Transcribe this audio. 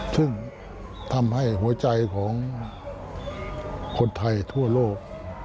ซึ่งทำให้หัวใจของคนไทยทั่วโลก